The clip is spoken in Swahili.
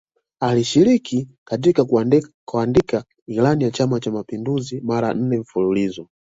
Alishiriki katika kuandika Ilani ya Chama cha Mapinduzi mara nne mfululizo